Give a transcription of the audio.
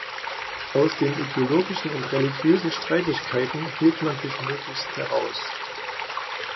Aus den ideologischen und religiösen Streitigkeiten hielt man sich möglichst heraus.